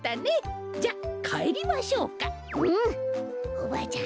おばあちゃん